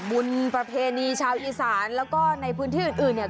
ประเพณีชาวอีสานแล้วก็ในพื้นที่อื่นอื่นเนี่ย